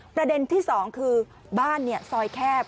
ประเด็นที่สองคือบ้านเนี่ยซอยแคบ